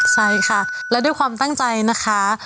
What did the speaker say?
ใช่ค่ะและด้วยความตั้งใจนะคะ